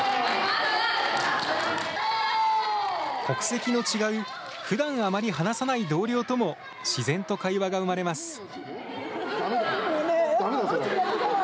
国籍の違う、ふだんあまり話さない同僚とも自然と会話が生まれます。